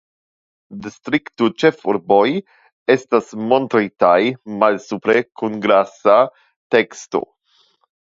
Distriktoĉefurboj estas montritaj malsupre kun grasa teksto.